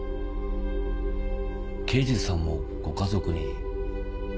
刑事さんもご家族に。